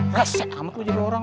reset amat lu jadi orang